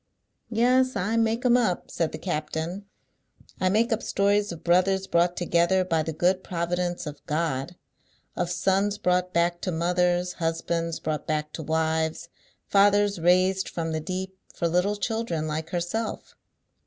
"Yes; I make 'em up," said the captain. "I make up stories of brothers brought together by the good providence of GOD, of sons brought back to mothers, husbands brought back to wives, fathers raised from the deep, for little children like herself."